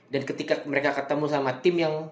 dan ketika mereka ketemu sama team yang